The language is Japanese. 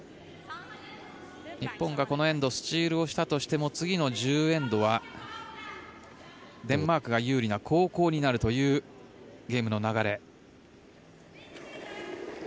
日本がこのエンドスチールをしたとしても次の１０エンドはデンマークが有利な後攻になるというゲームの流れ。